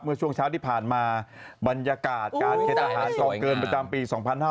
เมื่อช่วงเช้าที่ผ่านมาบรรยากาศการเคนอาหารกองเกินประจำปี๒๕๕๙